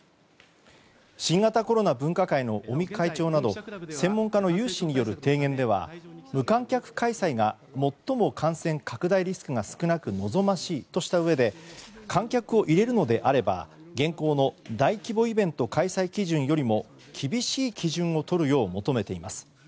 新型コロナ分科会の尾身会長など専門家の有志による提言では無観客開催が最も感染拡大リスクが少なく望ましいとしたうえで観客を入れるのであれば現行の大規模イベント開催基準よりも厳しい基準を取るよう求めています。